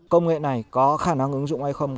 công nghệ này có khả năng ứng dụng hay không